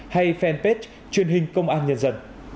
hay fanpage truyền hình công an nhân dân